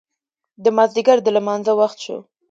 د مازدیګر د لمانځه وخت شو.